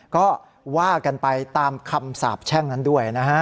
ก็ว่ากันไปตามคำสาบแช่งนั้นด้วยนะฮะ